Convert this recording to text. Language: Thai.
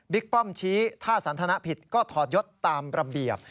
ป้อมชี้ถ้าสันทนาผิดก็ถอดยศตามระเบียบ